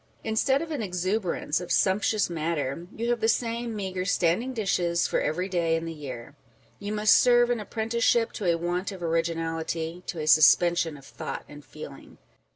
Instead of an exuberance of sumptuous matter, you have the same meagre standing dishes for every day in the year. You must serve an apprenticeship to a want of originality, to a suspension of thought and feeling.